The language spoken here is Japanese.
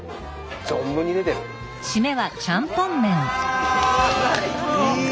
ああいい！